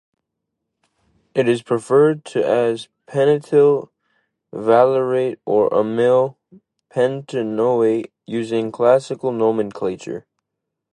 It is referred to as pentyl valerate or amyl pentanoate using classical nomenclature.